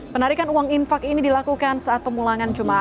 penarikan uang infak ini dilakukan saat pemulangan jum'ah haji